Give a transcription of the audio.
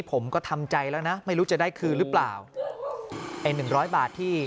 ผมก็ทำใจแล้วนะไม่รู้จะได้คืนหรือเปล่าไอ้หนึ่งร้อยบาทที่